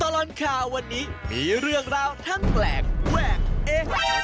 แต่ร้อนข่าววันนี้มีเรื่องราวทั้งแปลกแว่งเอฮ้าร